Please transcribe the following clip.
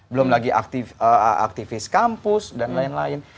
belum lagi aktivis kampus dan lain lain